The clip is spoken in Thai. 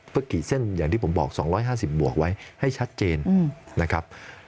เพื่อกี่เส้นอย่างที่ผมบอก๒๕๐บวกไว้ให้ชัดเจนนะครับ